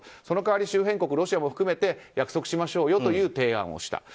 その代わり、周辺国ロシアも含めて約束しましょうよという提案をした。